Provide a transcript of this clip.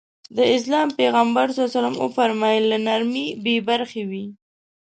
د اسلام پيغمبر ص وفرمايل له نرمي بې برخې وي.